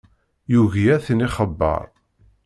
Yugi ad ten-ixebber.